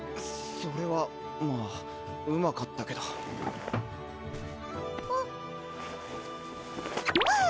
それはまあうまかったけどあっあっ！